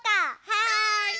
はい！